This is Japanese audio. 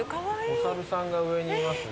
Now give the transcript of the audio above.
お猿さんが上にいますね。